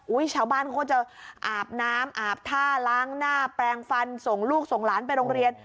ชาวบ้านเขาก็จะอาบน้ำอาบท่าล้างหน้าแปลงฟันส่งลูกส่งหลานไปโรงเรียน